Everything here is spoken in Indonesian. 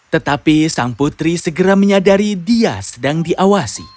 tetapi sang putri segera menyadari dia sedang diawasi